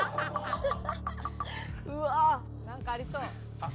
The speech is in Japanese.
うわー！なんかありそう。